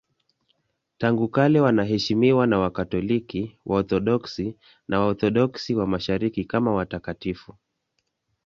Tangu kale wanaheshimiwa na Wakatoliki, Waorthodoksi na Waorthodoksi wa Mashariki kama watakatifu.